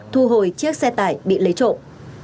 thu hồi chiếc xe tải bị lấy trộm